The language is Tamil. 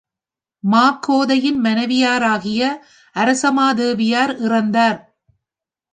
மாக்கோதையின் மனைவியாராகிய அரசமாதேவியார் இறந்தார்.